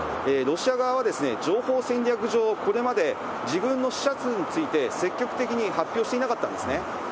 ロシア側は情報戦略上、これまで、自軍の死者数について、積極的に発表していなかったんですね。